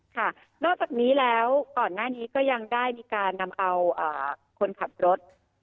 ค่ะนอกจากนี้แล้วก่อนหน้านี้ก็ยังได้มีการนำเอาคนขับรถ